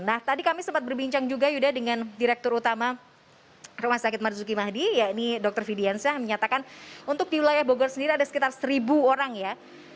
nah tadi kami sempat berbincang juga yuda dengan direktur utama rumah sakit marzuki mahdi ya ini dr fidiansyah menyatakan untuk di wilayah bogor sendiri ada sekitar seribu orang ya